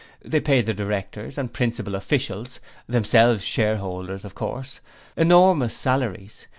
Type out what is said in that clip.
They paid the Directors and principal officials themselves shareholders, of course enormous salaries.